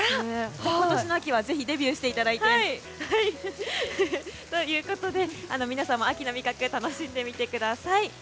じゃあ今年の秋はぜひデビューしていただいて。ということで、皆さんも秋の味覚を楽しんでみてください。